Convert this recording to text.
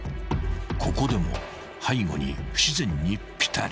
［ここでも背後に不自然にピタリ］